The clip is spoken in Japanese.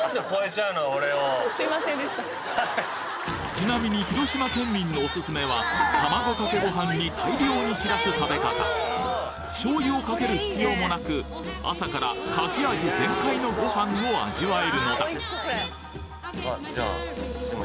ちなみに広島県民のオススメは卵かけご飯に大量に散らす食べ方醤油をかける必要もなく朝から牡蠣味全開のごはんを味わえるのだはいじゃあ１枚。